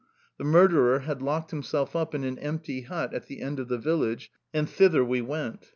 The murderer had locked himself up in an empty hut at the end of the village; and thither we went.